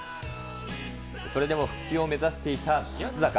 それでも復帰を目指していた松坂。